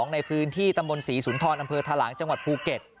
ในพื้นที่ตำบลศรีสุนทรอำเภอทะลังจังหวัดภูเก็ต